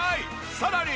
さらに。